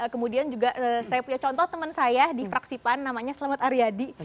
kemudian juga saya punya contoh teman saya di fraksi pan namanya selamat aryadi